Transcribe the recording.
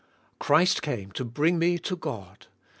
Christ came to bring me to God.